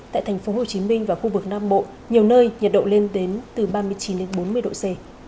tại thành phố hồ chí minh và khu vực nam bộ nhiều nơi nhiệt độ lên đến từ ba mươi chín bốn mươi độ c